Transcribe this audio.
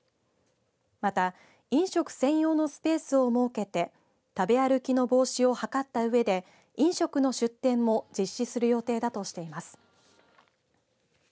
また飲食専用のスペースを設けて食べ歩きの防止を図ったうえで飲食の出店も実施する予定だとしています。